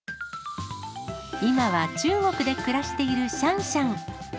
今は中国で暮らしているシャンシャン。